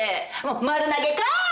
丸投げかい！